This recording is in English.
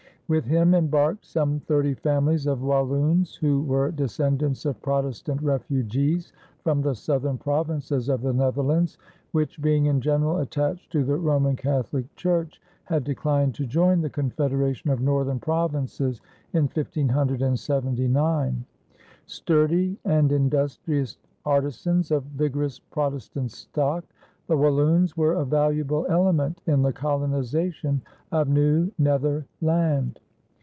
With him embarked some thirty families of Walloons, who were descendants of Protestant refugees from the southern provinces of the Netherlands, which, being in general attached to the Roman Catholic Church, had declined to join the confederation of northern provinces in 1579. Sturdy and industrious artisans of vigorous Protestant stock, the Walloons were a valuable element in the colonization of New Nether land.